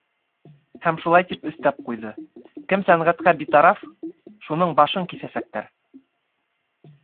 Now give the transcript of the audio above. Һәм шулай тип өҫтәп ҡуйҙы: кем сәнғәткә битараф, шунын башын киҫәсәктәр.